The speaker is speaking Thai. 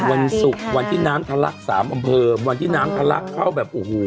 สวัสดีค่ะวันที่น้ำทะลักษมณ์สามอำเภิมวันที่น้ำทะลักษมณ์เข้าแบบโอ้โห